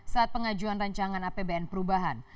saat pengajuan rancangan apbn perubahan